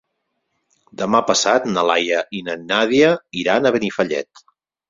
Demà passat na Laia i na Nàdia iran a Benifallet.